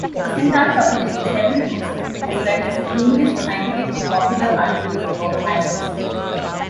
Rosendahl published several books, as well as numerous scientific and popular articles about airships.